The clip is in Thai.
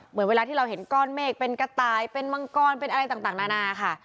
เหมือนเวลาที่เราเห็นก้อนเมฆเป็นกระต่ายเป็นมังกรเป็นอะไรต่างนานาค่ะ